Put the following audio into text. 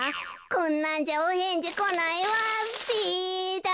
こんなんじゃおへんじこないわべだ。